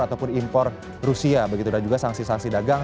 ataupun impor rusia begitu dan juga sanksi sanksi dagang